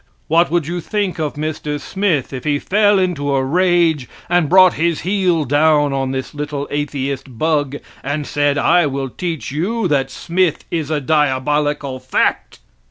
What would you think of Mr. Smith if he fell into a rage, and brought his heel down on this little atheist bug and said: "I will teach you that Smith is a diabolical fact!"